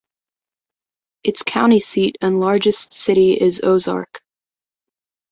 Its county seat and largest city is Ozark.